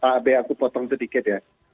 sorry pak abie aku potong sedikit ya